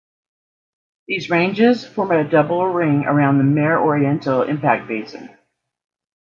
These ranges form a double-ring around the Mare Orientale impact basin.